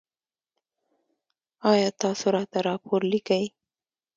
ایا تاسو راته راپور لیکئ؟